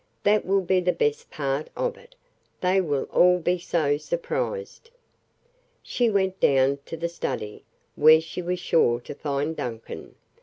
That will be the best part of it. They will all be so surprised." She went down to the study, where she was sure to find Duncan.